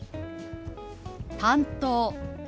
「担当」。